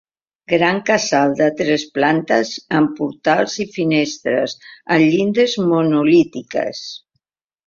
Gran casal de tres plantes amb portals i finestres amb llindes monolítiques.